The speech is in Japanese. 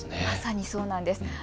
まさにそうなんです。